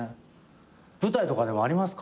舞台とかでもありますか？